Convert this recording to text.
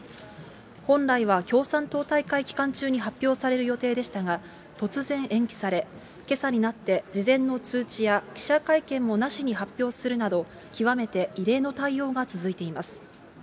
本来は共産党大会期間中に発表される予定でしたが、突然延期され、けさになって、事前の通知や記者会見もなしに発表するなど、極めて異例の対応が続いています。